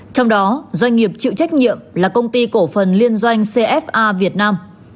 trong đó doanh nghiệp chịu trách nhiệm là công ty cổ phần liên doanh cfa việt nam